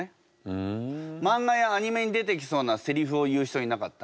マンガやアニメに出てきそうなセリフを言う人いなかった？